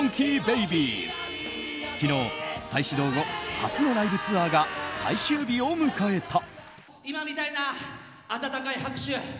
昨日、再始動後初のライブツアーが最終日を迎えた。